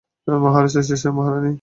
মহারাজ এসেছেন, মহারানী।